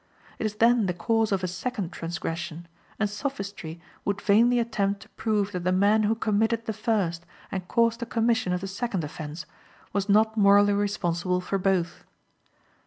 It is then the cause of a second transgression, and sophistry would vainly attempt to prove that the man who committed the first and caused the commission of the second offense was not morally responsible for both.